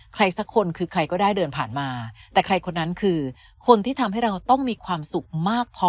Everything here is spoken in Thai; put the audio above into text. สักคนคือใครก็ได้เดินผ่านมาแต่ใครคนนั้นคือคนที่ทำให้เราต้องมีความสุขมากพอ